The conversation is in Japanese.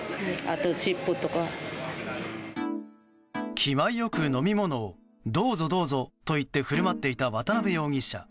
気前よく飲み物をどうぞ、どうぞと言って振る舞っていた渡邉容疑者。